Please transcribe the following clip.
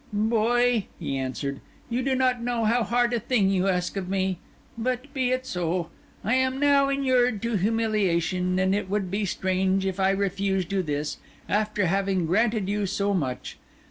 "Boy," he answered, "you do not know how hard a thing you ask of me. But be it so. I am now inured to humiliation; and it would be strange if I refused you this, after having granted you so much.